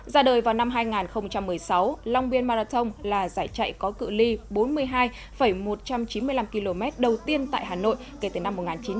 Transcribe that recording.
ra đời vào năm hai nghìn một mươi sáu long biên marathon là giải chạy có cự li bốn mươi hai một trăm chín mươi năm km đầu tiên tại hà nội kể từ năm một nghìn chín trăm chín mươi